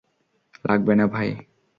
লাগবে না, ভাই।